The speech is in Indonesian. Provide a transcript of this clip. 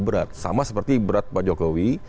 berat sama seperti berat pak jokowi